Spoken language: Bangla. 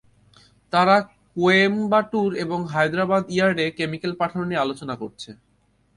তারা কোয়েম্বাটুর এবং হায়দ্রাবাদ ইয়ার্ডে কেমিকেল পাঠানো নিয়ে আলোচনা করছে।